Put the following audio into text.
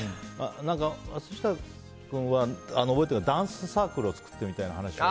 何か、松下君は覚えているのはダンスサークルを作ってみたいな話を。